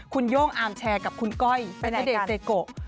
คุณโย่งอาร์มแชร์กับคุณก้อยเป็นณเดชเซโก